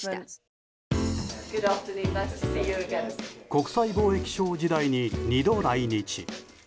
国際貿易相時代に２度来日。